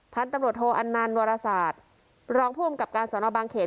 ท่านตำรวจโทอันนานวรศาสตร์รองภูมิกับการสอนอบางเขน